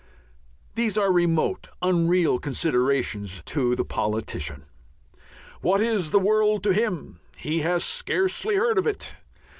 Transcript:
These are remote, unreal considerations to the politician. What is the world to him? He has scarcely heard of it.